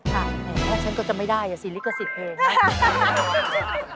และฉันก็จะไม่ได้อะซีริกส์ก็สิทธิ์เลยนะ